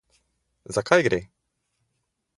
Za kaj gre?